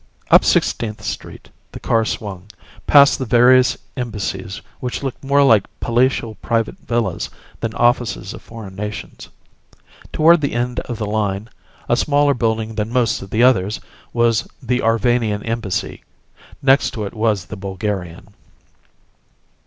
Up Sixteenth Street the car swung, past the various embassies which looked more like palatial private villas than offices of foreign nations. Toward the end of the line, a smaller building than most of the others, was the Arvanian Embassy. Next to it was the Bulgarian.